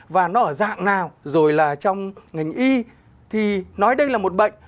và nó ở dạng nào rồi là trong ngành y thì nói đây là một bệnh